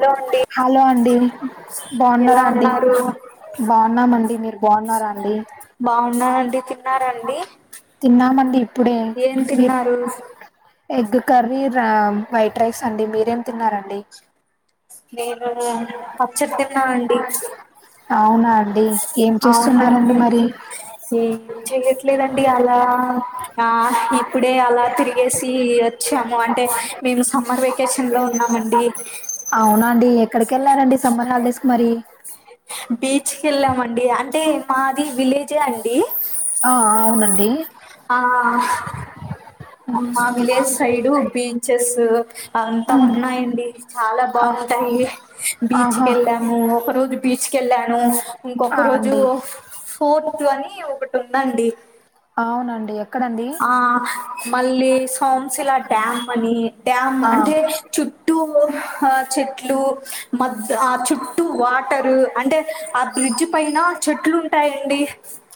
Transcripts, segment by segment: Hello అండి hello అండి ఎలా బాగున్నారా అండి ఉన్నారు బాగున్నామండి మీరు బాగున్నారా అండి బాగున్నానండి తిన్నారండి తిన్నామండి ఇప్పుడే ఏం మీరు తిన్నారు ఎగ్ కర్రీ రా వైట్ రైస్ అండి మీరేం తిన్నారండి నేను పచ్చడి తిన్నా అండి అవునా అండి ఏం చేస్తున్నారండి అవునండి మరి ఏం చేయట్లేదండి అలా ఆ ఇప్పుడే అలా తిరిగేసి వచ్చాము అంటే మేము సమ్మర్ వెకేషన్ లో ఉన్నామండి అవునా అండి ఎక్కడికి వెళ్ళారండి సమ్మర్ హాలిడేస్కి మరి బీచ్కి వెళ్ళామండి అంటే మాది విలేజే అండి ఆ అవునండి ఆ ఆ మా విలేజ్ సైడ్ బీచెస్ అంతా ఉమ్, ఉన్నాయండి చాలా ఆ, బాగుంటాయి బీచ్ ఆహా కెళ్ళాము ఒక రోజు బీచ్ కెళ్ళాను ఆ ఇంకొక రోజు అండి ఫోర్టు అని ఒకటి ఉందండి అవునండి ఎక్కడండి ఆ మళ్ళీ సోమ్శిలా డ్యామ్ అని డ్యామ్ ఆ అంటే చుట్టూ ఆ చెట్లు మద్ ఆ చుట్టూ వాటరు అంటే ఆ బ్రిడ్జ్ పైన చెట్లు ఉంటాయండి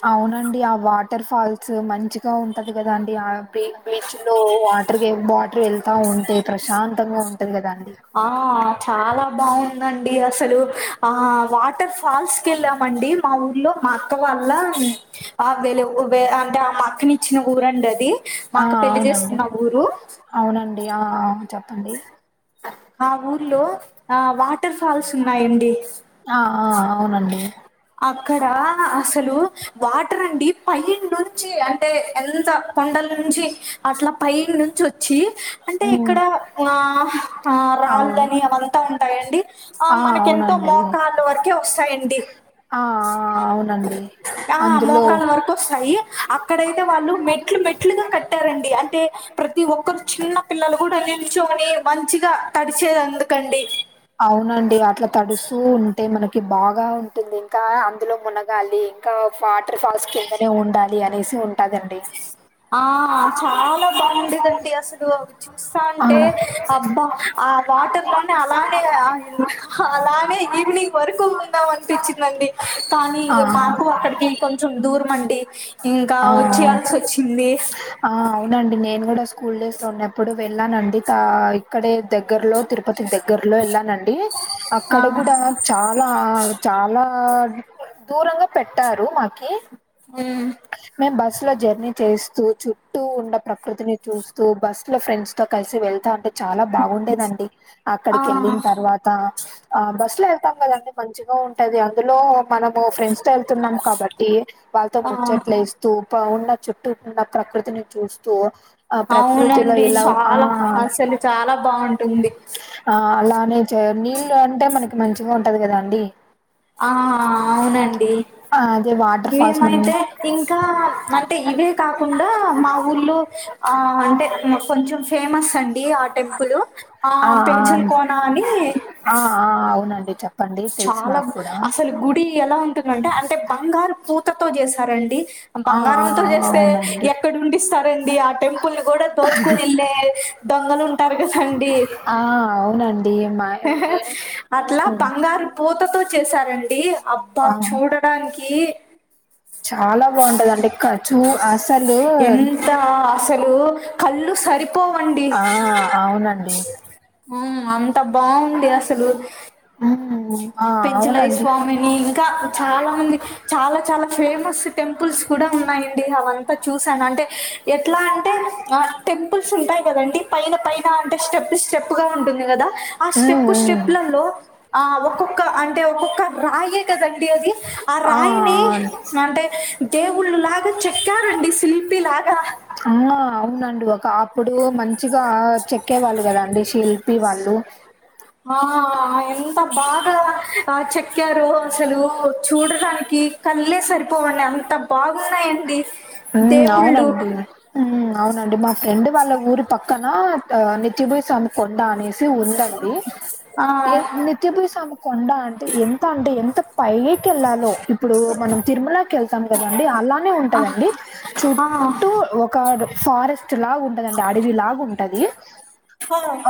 అవునండి ఆ వాటర్ ఫాల్స్ మంచిగా ఉంటది కదా అండి ఆ [unintelligible] చులో వాటర్ వాటర్ వెళ్తా ఉంటే ప్రశాంతంగా ఉంటది కదండి ఆ చాలా బాగుందండి అసలు ఆ వాటర్ ఫాల్స్ కి వెళ్ళామండి మా ఊర్లో మా అక్క వాళ్ల ఆ వెలు అంటే ఆ అక్కనిచ్చిన ఊరండి అది మా ఆ అక్క పెళ్లి అవునండి చేసుకున్న ఊరు అవునండి ఆ ఆ చెప్పండి ఆ ఊర్లో ఆ వాటర్ ఫాల్స్ ఉన్నాయండి ఆ ఆ అవునండి అక్కడ అసలు వాటర్ అండి పైనుంచి అంటే ఎంత కొండల నుంచి అట్లా పై నుంచి ఒచ్చి అంటే ఉమ్ ఇక్కడ ఆ ఆ అవును రాళ్ళని అవంత ఉంటాయండి ఆ మనకెంతో మోకాళ్లు వరకే వస్తాయండి ఆ ఆ అవునండి ఆ అందులో మోకాలు వర్ వస్తాయి అక్కడైతే వాళ్ళు మెట్లు మెట్లుగా కట్టారండి అంటే ప్రతి ఒక్కరు చిన్న పిల్లలు కూడ నిల్చోని మంచిగా తడిచేది అందుకండి అవునండి అట్ల తడుస్తూ ఉంటే మనకి బాగ ఉంటుంది ఇంకా అందులో మునగాలి ఇంకా ఫాటర్ ఫాల్స్ కిందనే ఉండాలి అనేసి ఉ ఆ చాల బాగుండేదండి అసలు ఆ చూస్తంటే అబ్బా ఆ వాటర్ లోనే అలానే హా అలానే ఈవినింగ్ వరకు ఉందాం అనిపిచిందండి కానీ ఆ మాకు అక్కడికి కొంచెం దూరం అండి ఇంకా ఆ ఓచ్చేయాల్సి ఓచ్చింది ఆ అవునండి నేను గుడ స్కూల్ డేస్ లో ఉన్నప్పుడు వెళ్ళానండి త ఇక్కడే దగ్గర్లో తిరుపతి దగ్గర్లో ఎళ్ళానండి ఆ అక్కడ గుడా చాలా చాల దూరంగ పెట్టారు మాకి ఉమ్ మేం బస్ లో జర్నీ చేస్తూ చుట్టూ ఉన్న ప్రకృతిని చూస్తూ బస్లో ఫ్రెండ్స్ కలిసి వెళ్తంటే చాలా బాగుండేదండి ఆ అక్కడికి ఎళ్ళిన్ తర్వాత్ ఆ బస్సులో ఎళ్తాం కదండి మంచిగ ఉంటది అందులో మనము ఫ్రెండ్స్ తో ఎళ్తున్నాం కాబట్టి వాళ్ళతో ఆ [unintelligible] లేస్తూ ఉన్న ప చుట్టూ ఉన్న ప్రకృతిని చూస్తూ ఆ ప్రకృతిలో అవునండి ఇలా ఆ చాల అసలు చాల బావుంటుంది ఆ అలానే నీళ్ళు అంటే మనకి మంచిగా ఉంటది గదా అండి ఆ ఆవునండి ఆ అదే వాటర్ ఫాల్స్ మన్ని మేమైతే ఇంకా అంటే ఇవే కాకుండ మా ఊర్లో ఆ అంటే కొంచెం ఫేమస్ అండి టెంపులు ఆ పెంచుల కోన అని ఆ ఆ అవునండి చె చాల అసలు గుడి ఎలా ఉంటుదంటే అంటే బంగారు పూతతో చేసారండి ఆ ఆ బంగారంతో ఆ చేస్తే అవునండి ఎక్కడ ఉండిస్తారండి ఆ టెంపుల్ ను గుడా దోచుకుని ఎళ్ళే దొంగలుంటారు కదా అండి ఆ అవునండి [unintelligible] [unintelligible] అట్లా ఉమ్ బంగారు పూతతో చేసారండి అబ్బా ఆ చూడ [unintelligible] చాలా బాగుంటదండి కచూ అసలు ఎంత అసలు కళ్ళు సరిపోవండి ఆ అవునండి ఊమ్ అవును బావుంది అసలు ఉమ్ ఆ పెంచలయి అవునండి స్వామి ఇంకా చాలా మందిక్ చాలా చాలా ఫేమస్ టెంపుల్స్ కూడా ఉన్నాయండి అవంతా చూసానంటే ఎట్లా అంటే ఆ టెంపుల్స్ ఉంటాయి కదండి పైన పైన అంటే స్టెప్ స్టెప్ గా ఉంటుంది గదా ఆ ఉమ్ స్టెప్పు ఉమ్ స్టెప్లలో ఆ ఒక్కొక్క అంటే ఒక్కొక్క రాయ్యే కదండి అది ఆ రాయిని అంటే దేవుళ్ళు లాగా చెక్కారండి శిల్పి లాగా అమ్మ అవునండి ఒక ఆ ప్పుడు మంచిగా చెక్కేవాళ్ళు గదా అండి శిల్పి వాళ్ళు ఆ ఎంత బాగా ఆ చెక్కారో అసలు చూడటానికి కళ్ళే సరిపోవండి అంత బాగున్నాయండి ఉమ్ దేవుళ్ళు అవునండి ఉమ్ అవునండి మా ఫ్రెండ్ వాళ్ళ ఊరి పక్కన ఆ నిత్యభూయ్ స్వామి కొండ అనే సి ఉందండి ఆ ఏం నిత్యభూయ్ స్వామి కొండ అంటే ఎంత అంటే ఎంత పై కెల్లలో ఇప్పుడు మనం తిరుమలకెళ్తాం కదండి అలానే ఆ, ఉంటదండి ఆ, చుట్టూ ఒక ఫారెస్ట్ లా ఉంటదండి అడవి లాగుంటది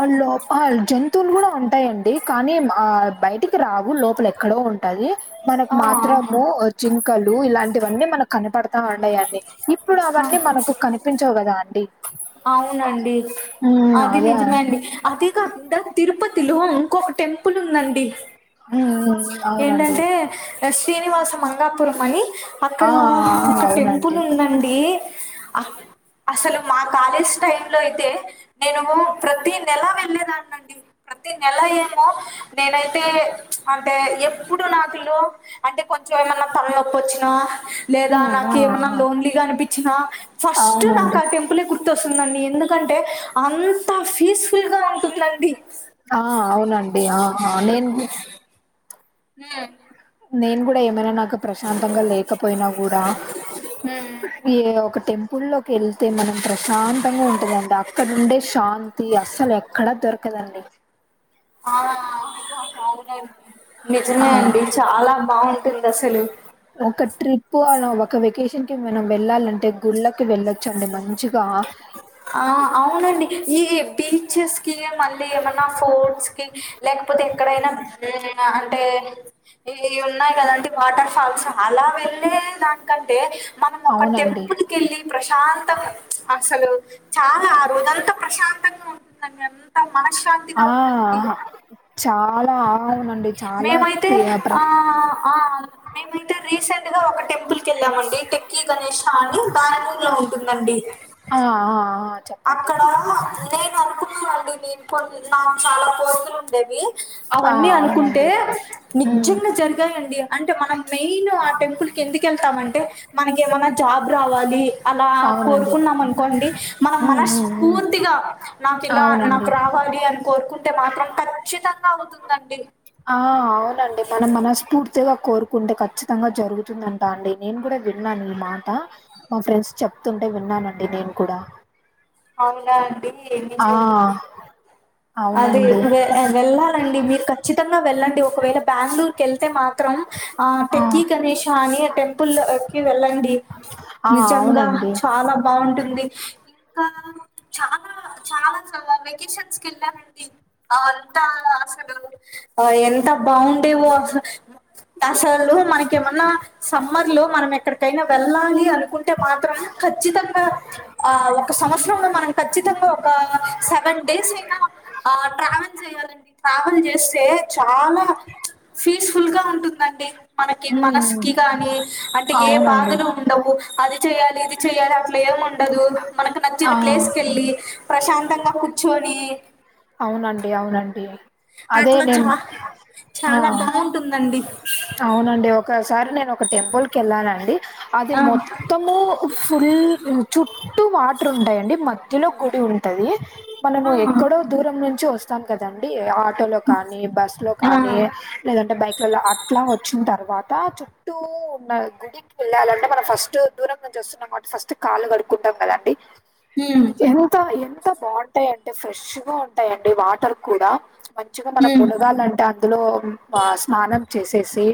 అల్లో ఆ జంతువులు గుడా ఉంటాయండి కానీ మ ఆ బయటికి రావు లోపల ఎక్కడో ఉంటయి మనకు ఆ, మాత్రము జింకలు ఇలాంటివన్నీ మనకు కనపడతా ఉన్నాయండి ఇప్పుడు ఆ, అవన్నీ మనకు కనిపించవు కదా అండి అవునండి హ్మ్. అది అదే. నిజమండి అదీ కాకుండా తిరుపతిలో ఇంకొక టెంపుల్ ఉందండి ఊ ఊ ఏంటంటే శ్రీనివాస మంగాపురం అని ఆ! అక్కడ ఆ! ఆ! ఒక అవునండి. టెంపుల్ ఉందండి అక్ అసలు మా కాలేజ్ టైమ్ లో అయితే నేనేమో ప్రతి నెలా వెళ్ళేదానండి ప్రతి నెల ఏమో నేనైతే అ టే ఎప్పుడు నాకులు అంటే కొంచెం ఏమన్నా తల్నొప్పొచ్చినా లేదా హ్మ్. ఆ! నాకు ఏమన్నా లోన్లీగా అనిపిచినా ఆ! ఫస్ట్ నాక అవునండి. అ టెంప్ ప్పులే గుర్తొస్తుందండి ఎందుకంటే అంత ఫీస్స్ఫుల్గా ఉంటుందండి ఆ అవునండి ఆహా నేన్ గు హూ నేన్ కూడా ఏమైనా నాకు ప్రశాంతంగా లేకపోయినా గూడా ఈ ఒక టెంపుల్ లో వెళ్తే మనం ప్రశాంతంగా ఉంటుందండి అక్కడుండే శాంతి అస్సలెక్కడా దొరకదండి ఆ ఆ నిజమే అండి చాలా బావుంటుందసలు ఒక ట్రిప్పు అన ఒక వెకేషన్ కి మనం వెళ్ళాలంటే గుళ్ళకి వెళ్ళ చండి మంచిగా ఆ అవునండి ఈ బీచెస్ కీ మళ్ళీ ఏమన్నా ఫోర్ట్స్ కి లేకపోతే ఎక్కడైనా హ్మ్ అంటే ఏ ఉన్నాయి కదంటీ వాటర్ ఫాల్స్ అలా వెళ్ళే దానికంటే అవునండి కేలి ప్రశాం మొత్త అసలు చాలా ఆ రోజంతా ప్రశాంతంగా ఉంటుంద నన్ ఆహ చాలా అవున మేమైతే ఆ ఆ మేమైతే రీసెంట్ ఇగా ఒక టెంపుల్ క వెళ్ళామండి టెకి గణేష అని బెంగుళూరూ లో ఉంటుందండి ఆ ఆ హ చెప్ అక్కడ నేను అనుకుననండి నేను కొన్ని నాకు చాలా కోసులు ఉండేవి ఆ అవన్నీ అనుకుంటే అవునండి ఉమ్ నిజంగా జరిగాయండి అంటే మనం మెయిన్ ఆ టెంపుల్ ఎందుకు వెళ్తామంటే మనకి ఏమనా జాబ్ రావాలి అలా అవునండి కోరుకున్నాం అనుకోండి ఉమ్ ఉమ్ ఉమ్ మనస్ఫూర్తిగా నాకు ఇలా నాకు అవునండి రా కావాలి అని కోరుకుంటే మాత్రం ఖచ్చితంగా అవుతుందండి ఆ అవునండి మనం మనస్ఫూర్తి తిగా కోరుకుంటే ఖచ్చితంగా జరుగుతుందంటా అండి నేను కూడా విన్నాను ఈ మాట మా ఫ్రెండ్స్ చెప్తుంటే విన్నానండి నేను కూడా అవునా అండి ఆ! నిజమె అది అవునండి. వె వెళ్ళాలండి మీరు ఖచ్చితంగా వెళ్ళండి ఒకవేళ బెంగళూరుకి వెళ్తే మాత్ర మాత్రం ఆ టెకి గణేేశ అని టెంపుల్ కి వెళ్ళండి ఆ! నిజంగా అవునండి. చాలా బాగుంటుంది కా చాలా చాలా చ వెకేషన్స్ కి వెళ్ళానండి ఆ అంత అసలు ఆ ఎంత బాగుండేవో అసలు దసలు మనకేమన్నా సమ్మర్ లో మనం ఎక్కడికైనా వెళ్ళాలి అనుకు అనుకుంటే మాత్రం ఖచ్చితంగా ఆ ఒక సంవత్సరంలో మనం ఖచ్చితంగా ఒక సెవెన్ డేస్ అయినా ఆ ట్రావెల్ చేయాలండి ట్రావెల్ చేస్తే చాలా ఫీస్ ఫుల్ గా ఉంటుందండి మనకి హ్మ్. మనసుకిి గాని అంటే ఏ అవునండి. బాధలు ఉండవు అది చెయాలిది చెయాలి అట్లా ఏం ఉండదు మనకు నచ్చిన ఆ! ప్లేస్ కీ వెళ్ళి ప్రశాంతంగా కూర్చుని అవునండి అవునండి అదే నేను ఆ టుందండి ఇఫ్ అవునండి ఒకసారి నేను ఒక టెంపుల్ కు వెళ్ళానండి అది ఆ మొత్ మొత్తము ఫుల్ చుట్టూ వాటర్ ఉంటాయండి మధ్యలో గుడి ఉంటది మనము ఆ. ఎక్కడో దూరం నుంచి వస్ వస్తాం కదండీ ఆటోలో కానీ, బస్సులో ఆ కానీ, లేదంటే బైక్లలో అట్లా వచ్చిన తర్వాత చుట్టూ ఉన్న గుడి వేళలంటే మనం ఫస్ట్ దూరం నుంచి వస్తునాం కాబట్టి ఫస్ట్ కాళ్లు కడుక్కుంటాం కదండి ఊ ఎంత ఎంత బావుంటాయి అంటే ఫ్రెష్గా ఉంటాయండి వాటర్ కూడా మంచిగా మనం ఉమ్ ములగాల అంట అందులో ఆ స్నానం చేసేసి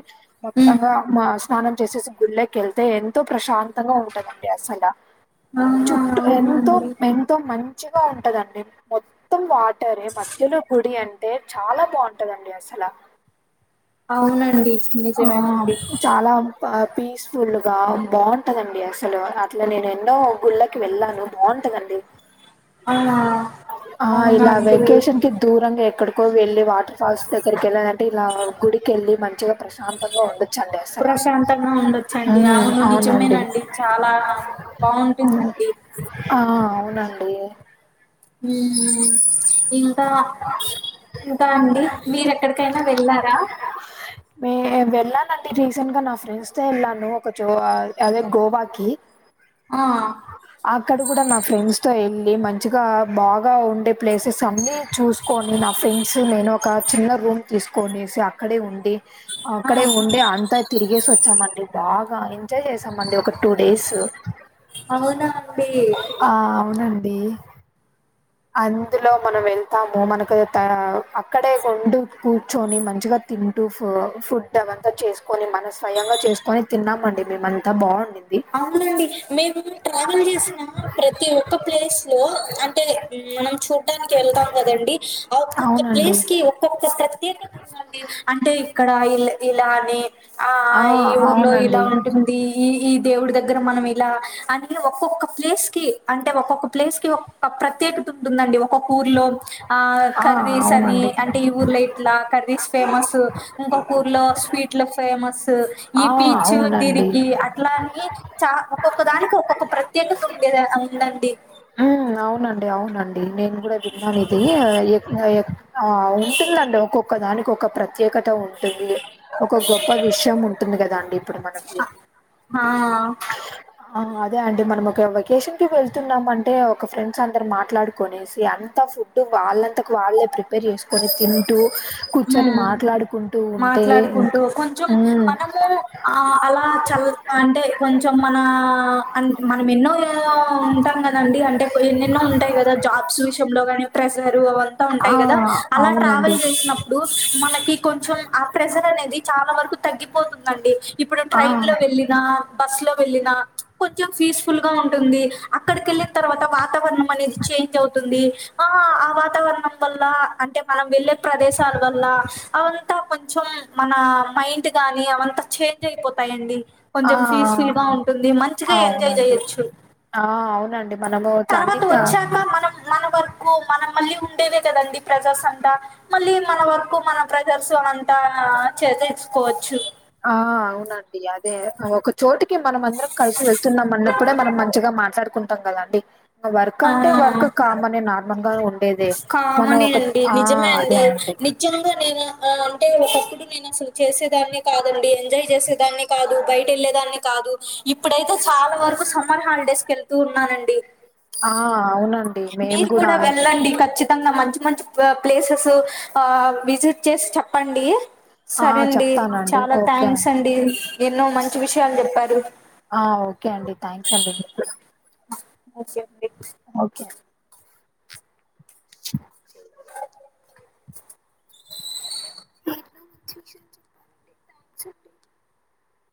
ఉమ్ మొత్తంగా మస్ స్నానం చేసేసి గుళ్ళకి వెళ్తే ఎంతో ప్రశాంతంగా ఉంటదండి అసల ఆహా చుట్టూ ఎంతో అవునండి ఎంతో మంచిగా ఉంటదండి మొ మొత్తం వాటరే మధ్యలో గుడి అంటే చాలా బాగుంటదండి అసల అవునండి ఆ నిజమేనండి చాలా బా పీస్ఫుల్ గా బాగుంటుందండి అసలు అట్లా నేను ఎన్నో గుళ్ళకి వెళ్ళాను బాగుంటదండి అవునా ఆ ఇలా వెకేషన్ కి దూరంగా ఎక్కడికో వెళ్ళి వా ఫస్టెక్కడికెల్లాలంటే ఇలా గుడికెల్లి మంచిగ ప్రశాం తంగా ఉండొచ్చండీ అసలా ప్రశాంతంగా ఉండొచ్చండి అవును నిజమేనండి చాలా బాగుంటుందండి ఆ అవునండీ [unintelligible] ఇంకా ఇంకా అండి మీరెక్కడికైనా వెళ్ళారా మ్మ్ నేన్ వెళ్ళానండి రీసెంట్గ నా ఫ్రెండ్స్ తో ఎళ్ళానూ ఒక చో ఆ అదె గోవాకీ ఆ అక్కడ గుడ మా ఫ్రెండ్స్ తో ఎళ్ళి మంచిగా బాగా ఉండె ప్లేసెసన్నీ చూసి కోని నా ఫ్రెండ్స్ నేనూ ఒకా చిన్న రూమ్ తీస్కొనేసి అక్కడే ఉండి ఆ అక్కడే ఉండే అంతా తిరిగేసొచ్చామండి బాగా ఎంజయ్ యేసామండి ఒక టూ డేసూ అవునా అండీ ఆ అవునండీ అందులో మనమెళ్తామూ మనకూ టా అక్కడే గుండు కూర్చోని మంచిగా తింటూ ఫు ఫుడ్డవంతా చేస్కొని మన స్వయంగా చేస్కొని తిన్నామండి మేమంతా బావుండింది అవునండి మేమూ ట్రావెల్ జేసినా ప్రతి ఒక్క ప్లేస్ లో అం టే మనం చూట్టానికి వెళ్తాం గదండి ఆ ఒక్కొక్క అవునండి ప్లేస్కీ ఒక్కొక్కా ప్ర త్యేకతుందండీ అంటే ఇక్కడ ఇల్ ఇలా అనీ ఆ ఈ ఊర్లో ఇలా ఉంటుందీ ఈ ఈ దేవుడి దగ్గర మనమిలా అన్ని వొక్కొక్క ప్లేస్కీ అంటే వొక్కొక్క ప్లేస్ కీ ఒ ప ప్రత్యేక టుండుందండీ ఒకొక్కూర్లో ఆ ఆ కర్రీసనీ అవునండి అంటే ఈ ఊర్లో ఇట్లా కర్రీస్ ఫేమస్సూ ఇంకొకూర్లో స్వీట్లు ఫేమసూ ఈ ఆ బీచూ అవునండి దీనికీ అ ట్లానీ చా ఒక్కొక్క దానికి ఒక్కొక్క ప్రత్యేకతుండేద అ ఉందండీ ఊ అవునండి అవునండి నేను గుడ దిరిగినానిదీ ఎ ఎ ఆ అవును టుందండి ఒక్కొక్క దానికి ఒక ప్ర త్యేకత ఉంటుంది ఒక గొప్ప విషయం ఉంటుంది గదా అండి ఇప్పుడు మనకీ హా ఆ అదే అండి మనమోక వెకేషన్కి వెళ్తున్నామంటే ఒక ఫ్రెండ్స్ అందరం మాట్లాడుకొనేసి అంతా ఫుడ్ టె వాళ్ళంతకు వాళ్ళే ప్రిపేర్ జేస్కొని తింటూ కూర్చొని ఉమ్ మాట్లాడుకుంటూ ఉంటే ఇంక్ మాట్లాడుకుంటూ కొంచెం ఊ మనము ఆ అలా చల్ అంటే కొంచం మనా అం మనమెన్నో ఉంటాం గదండి అంటే యెన్నెన్నో ఉంటాయి గదా జాబ్స్ విషయంలో గానీ ప్రజర్ ఆ! ఉంటయి గదా అలా అవునండి. ట్రావెల్ జేసినప్ ప్పుడు మనకి కొంచం ఆ ప్రెజర్ అనేది చాలా వరకు తగ్గిపోతుందండి ఇప్పుడు ఆ! ట్రైన్ లో వెళ్ళి నా బస్లో వెళ్ళినా కొంచం ఫీస్ఫుల్గా ఉంటుందీ అక్కడికెళ్ళిన్ తర్వాత వాతావరణమనేది చేంజవుతుందీ ఆ ఆ వాతావరణం వల్లా అంటె మనం వెళ్ళే ప్రదేశాల వల్లా అవంతా కొంచం మనా మైండ్ గానీ అవంత చేంజయిపోతయండి ఆ! ఆ! కొంచం ఫీస్ఫుల్గా ఉంటుంది మంచిగ ఆ! ఎంజాయ్ అవునండి. జెయ్యోచ్చు ఆ అవునండి మనమూ తన్నికా వచ్చాక మనం మన వర్కూ మనం మళ్ళీ ఉండేదే కదండి ప్రజర్సంతా మళ్ళీ మన వర్కు మనం ప్రజర్సు అనంతా చేతే ఇచ్చుకోవచ్చు ఆ అవునండి అదే ఒక చోటి మనం అందరం కలిసి వెళ్తున్నాం అన్నప్పుడే మనం మంచిగ మాట్లాడుకుంటాం కదా అండి వర్క్ అంటే వర్క్ ఆ! కామనే నార్మల్ గా ఉ [unintelligible] అదే మనం ఒక ఆ అదే అండి నిజం గా నేను అంటే ఒకప్పుడు నేను అసలు చేసేదాన్ని కాదండి ఎంజాయ్ చేసేదాన్ని కాదు బయట వెళ్ళేదాన్ని కాదు ఇప్పుడైతే చాల వరకు సమ్మర్ హాలిడేస్కి వెళ్తూ ఉన్నానండి ఆ అవున మీరు కూడ వెళ్ళండి ఖచ్చి [unintelligible] మంచి మంచి ప్లేసెస్ ఆ విజిట్ చేసి చెప్పండి ఆ సరే అండి చెప్తానండి చాల ఓకే థ్యాంక్స్ అండి ఎన్నో స మంచి విషయాలు చెప్పారు ఆ ఓకే అండి థ్యాంక్స్ అండి కూడా ఓకే అండి ఓకే స